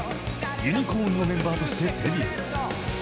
ユニコーンのメンバーとしてデビュー］